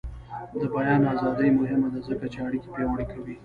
د بیان ازادي مهمه ده ځکه چې اړیکې پیاوړې کوي.